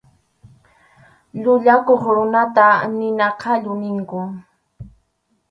Llullakuq runata nina qallu ninkum.